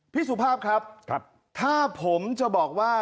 พี่สุภาพครับครับถ้าผมจะบอกว่า